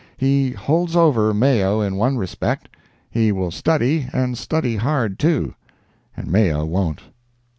He "holds over" Mayo in one respect—he will study, and study hard, too—and Mayo won't.